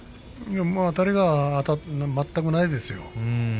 あたりが全くないですよ。